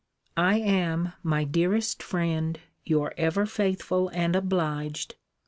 I am, my dearest friend, Your ever faithful and obliged CL.